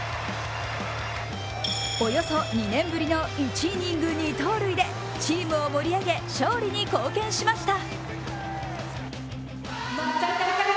およそ２年ぶりの１イニング２盗塁でチームを盛り上げ勝利に貢献しました。